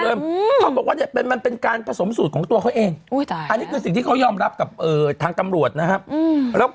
เขาบอกว่าเนี่ยมันเป็นการผสมสูตรของตัวเขาเองอันนี้คือสิ่งที่เขายอมรับกับทางตำรวจนะครับ